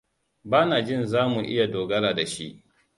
Ba na jin za mu iya dogara da shi.